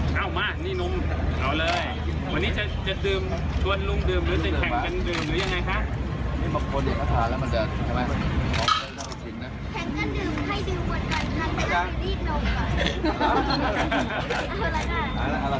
พอที่ให้ครับ